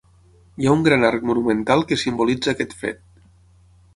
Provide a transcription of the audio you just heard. Hi ha un gran arc monumental que simbolitza aquest fet.